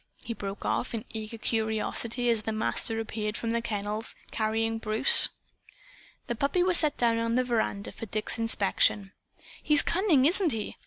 he broke off, in eager curiosity, as the Master appeared from the kennels, carrying Bruce. The puppy was set down on the veranda floor for Dick's inspection. "He's cunning, isn't he?